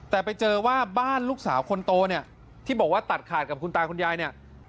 แต่ไปเจอว่าบ้านลูกสาวคนโตเนี่ยที่บอกว่าตัดขาดกับคุณตาคุณยายเนี่ย